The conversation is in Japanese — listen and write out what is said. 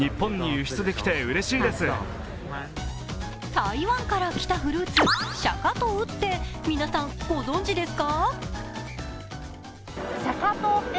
台湾から来たフルーツ、シャカトウって皆さん、ご存じですか？